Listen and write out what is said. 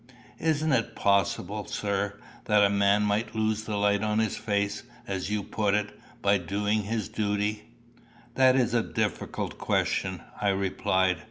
"Isn't it possible, sir, that a man might lose the light on his face, as you put it, by doing his duty?" "That is a difficult question," I replied.